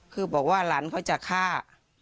คือบอกว่าหลานเขาจะฆ่า